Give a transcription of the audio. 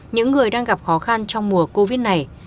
những người đang gặp khó khăn trong mùa covid này